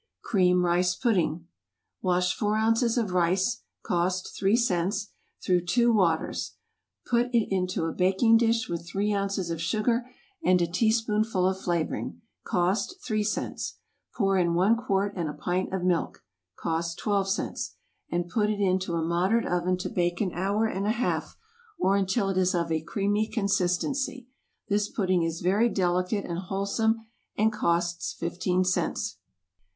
=Cream Rice Pudding.= Wash four ounces of rice, (cost three cents,) through two waters, put it into a baking dish with three ounces of sugar, and a teaspoonful of flavoring, (cost three cents,) pour in one quart and a pint of milk, (cost twelve cents,) and put it into a moderate oven to bake an hour and a half, or until it is of a creamy consistency. This pudding is very delicate and wholesome, and costs fifteen cents.